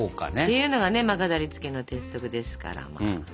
ていうのがね飾りつけの鉄則ですから。